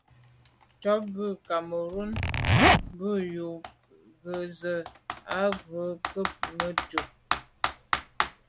Cúp bú Cameroun mbə̄ bú yə́ jú zə̄ à' rə̂ ká mə́ cúp.